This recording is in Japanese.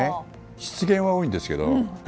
失言は多いんですけど。